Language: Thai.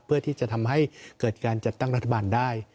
เพื่อที่จะทำให้เกิดการจัดตั้งรัฐบาลได้